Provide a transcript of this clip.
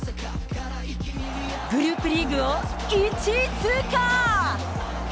グループリーグを一位通過。